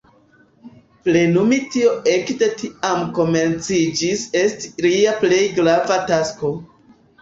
Plenumi tion ekde tiam komenciĝis esti lia plej grava tasko.